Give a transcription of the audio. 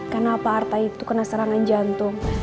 karena pak arta itu kena serangan jantung